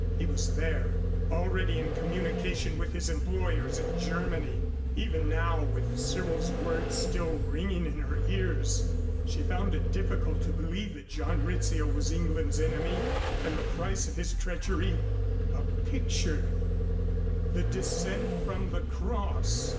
He was there, already in communication with his employers in Germany. Even now, with Cyril's words still ringing in her ears, she found it difficult to believe that John Rizzio was England's enemy; and the price of his treachery a picture, "The Descent from the Cross"!